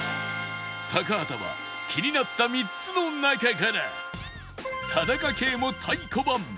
高畑は気になった３つの中から田中圭も太鼓判！